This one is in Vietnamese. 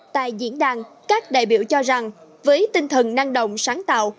tại diễn đàn các đại biểu cho rằng với tinh thần năng động sáng tạo